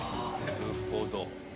なるほど。